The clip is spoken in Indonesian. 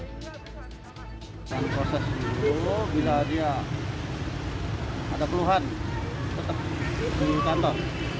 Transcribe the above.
dengan proses itu bila dia ada keluhan tetap di kantor